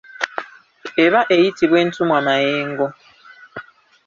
Eba eyitibwa entumwamayengo.